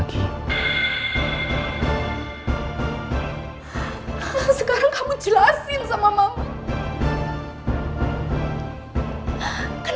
mereka udah jangan dihi